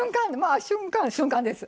あ瞬間瞬間です。